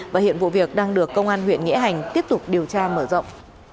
và hiện vụ việc đang được công an huyện nghĩa hành tiếp tục điều tra mở rộng